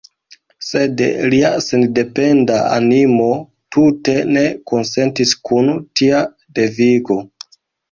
Sed lia sendependa animo tute ne konsentis kun tia devigo.